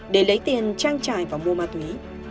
để lấy tiền trang trải và mua ma túy